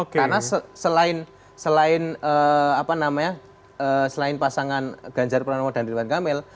karena selain pasangan ganjar pranowo dan ridwan kamil